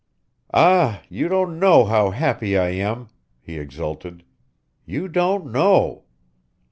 "Ah, you don't know how happy I am," he exulted, "you don't know!